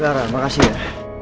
clara makasih ya